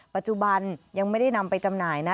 ปัจจุบันยังไม่ได้นำไปจำหน่ายนะ